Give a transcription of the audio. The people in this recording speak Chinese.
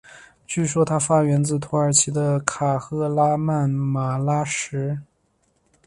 据说它发源自土耳其的卡赫拉曼马拉什。